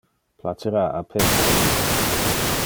Placera a Peter illo?